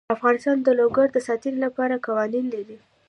افغانستان د لوگر د ساتنې لپاره قوانین لري.